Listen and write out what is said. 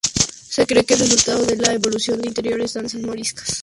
Se cree que es resultado de la evolución de anteriores danzas moriscas.